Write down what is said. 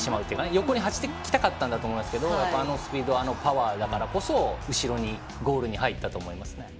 横にはじきたかったと思いますがあのスピードあのパワーだからこそゴールに入ったと思います。